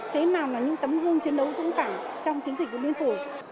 thế nào là những tấm hương chiến đấu dũng cảnh trong chiến dịch địa biên phủ